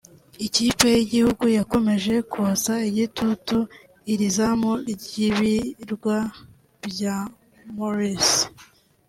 Ikipe y’igihugu yakomeje kotsa igitutu iri zamu ry’ibirwa bya Maurice